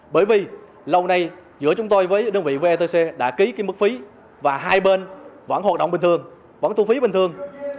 bởi vì lâu nay giữa chúng tôi với đơn vị vetc đã ký mức phí và hai bên vẫn hoạt động bình thường vẫn thu phí bình thường